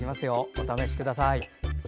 お試しください。